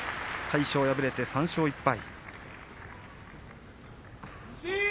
魁勝は敗れて３勝１敗。